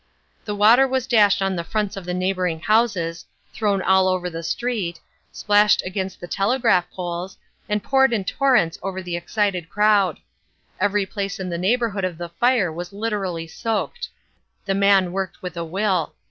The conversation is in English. The water was dashed on the fronts of the neighbouring houses, thrown all over the street, splashed against the telegraph poles, and poured in torrents over the excited crowd. Every place in the neighbourhood of the fire was literally soaked. The man worked with a will.